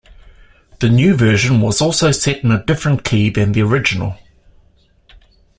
The new version was also set in a different key than the original.